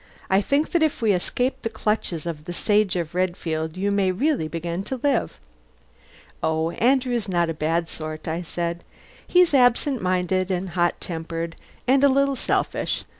I think that if we escape the clutches of the Sage of Redfield you may really begin to live." "Oh, Andrew's not a bad sort," I said. "He's absentminded, and hot tempered, and a little selfish.